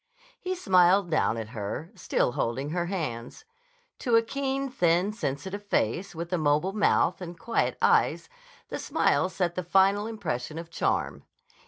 He smiled down at her, still holding her hands. To a keen, thin, sensitive face, with a mobile mouth and quiet eyes, the smile set the final impression of charm.